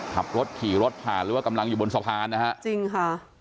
ขับรถขี่รถผ่านหรือว่ากำลังอยู่บนสะพานนะฮะจริงค่ะ